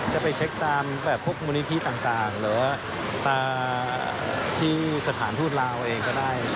จะไปเช็คตามแบบพวกมูลนิธิต่างหรือว่าตาที่สถานทูตลาวเองก็ได้